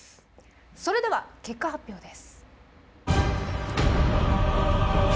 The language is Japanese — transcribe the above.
それでは結果発表です。